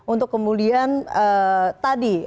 untuk kemudian tadi